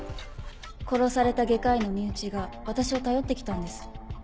殺された外科医の身内が私を頼ってきたんです。